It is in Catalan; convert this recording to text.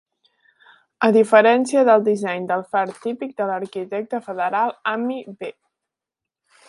A diferència del disseny del far típic de l'arquitecte federal Ammi B.